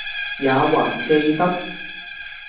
也還記得，